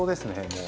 もう。